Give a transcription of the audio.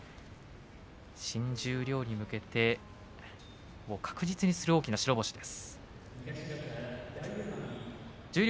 新十両に向けて確実にする大きな白星です。